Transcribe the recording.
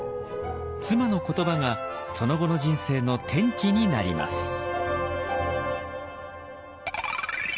妻の言葉がその後の人生の転機になります。